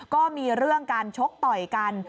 ก็มีเรื่องการชกต่อยกัน